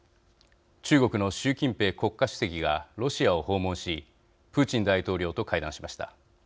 中国の習近平国家主席がロシアを訪問しプーチン大統領と会談しました。